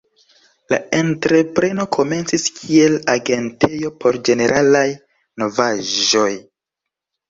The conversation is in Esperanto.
La entrepreno komencis kiel agentejo por ĝeneralaj novaĵoj.